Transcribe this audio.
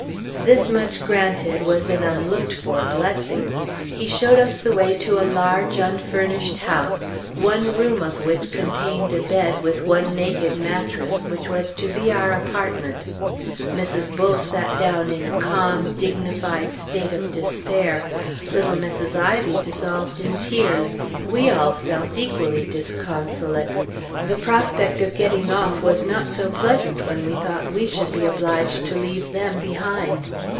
This much granted was an unlooked for blessing. He showed us the way to a large unfurnished house, one room of which contained a bed with one naked mattress, which was to be our apartment. Mrs. Bull sat down in a calm, dignified state of despair; little Mrs. Ivy dissolved in tears; we all felt equally disconsolate; the prospect of getting off was not so pleasant when we thought we should be obliged to leave them behind.